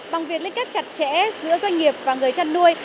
bằng việc liên kết chặt chẽ giữa doanh nghiệp và người chăn nuôi